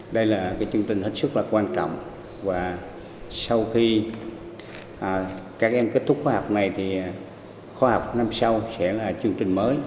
đây là chương trình hết sức là quan trọng và sau khi các em kết thúc khóa học này thì khóa học năm sau sẽ là chương trình mới